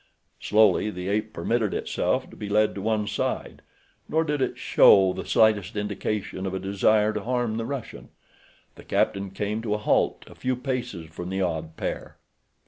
Slowly the ape permitted itself to be led to one side, nor did it show the slightest indication of a desire to harm the Russian. The captain came to a halt a few paces from the odd pair.